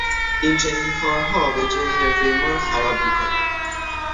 این چنین کارها وجههی حرفهی ما را خراب میکند.